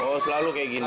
oh selalu kayak gini